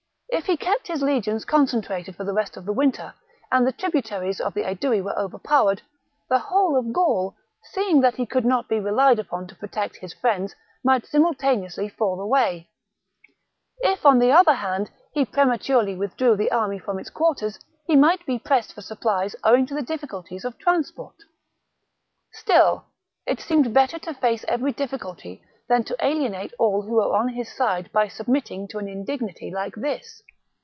If he kept his legions concentrated for the rest of the winter, and the tributaries of the Aedui were overpowered, the whole of Gaul, see ing that he could not be relied upon to protect his friends, might simultaneously fall away : if, on the other hand, he prematurely withdrew the army from its quarters, he might be pressed for supplies owing to the difficulties of transport. Still, it seemed better to face every difficulty than to alienate all who were on his side by submitting to an indignity like this.